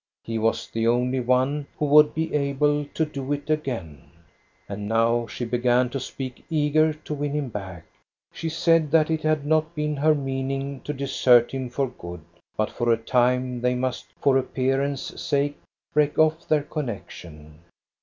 He was the only one who would be able to do it again. And now she began to speak, eager to win him back. She said that it had not been her meaning to desert him for good, but for a time they must for appearance's sake break off their connection.